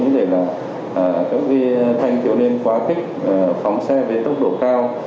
như thế là các viên thanh thiếu niên quá khích phóng xe với tốc độ cao